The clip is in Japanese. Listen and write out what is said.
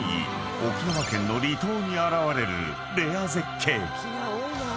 ［沖縄県の離島に現れるレア絶景］